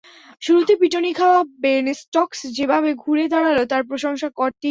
শুরুতে পিটুনি খাওয়া Ben Stokes যেভাবে ঘুরে দাঁড়াল তার প্রশংসা করতেই হয়।